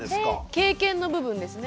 経験の部分ですね。